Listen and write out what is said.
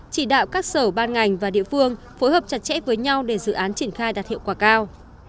chỉ đạo các sở ban ngành và địa phương phối hợp chặt chẽ với nhau để dự án triển khai đạt hiệu quả cao